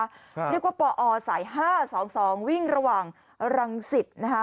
เรียกว่าปอสาย๕๒๒วิ่งระหว่างรังสิตนะคะ